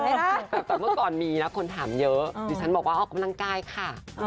แต่เมื่อก่อนมีนะคนถามเยอะดิฉันบอกว่าออกกำลังกายค่ะ